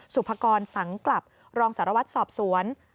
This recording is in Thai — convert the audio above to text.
สุภกรสังกลับรองสารวัตรสอบสวน